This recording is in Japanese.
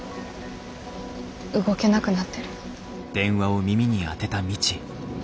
動けなくなってる。